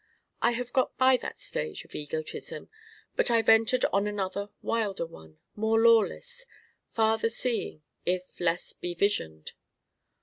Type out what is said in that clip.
I have got by that stage of egotism. But I've entered on another wilder, more lawless farther seeing if less be visioned.